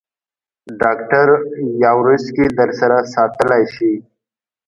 ډاکټر یاورسکي در سره ساتلای شې.